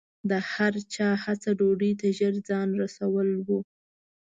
د هر چا هڅه ډوډۍ ته ژر ځان رسول و.